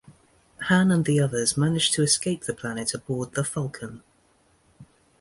Han and the others manage to escape the planet aboard the "Falcon".